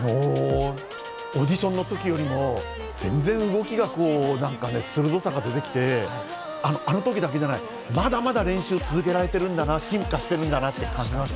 オーディションの時よりも全然、動きに鋭さが出てきて、あの時だけじゃない、まだまだ練習を続けられているんだな、進化してるんだなって感じました。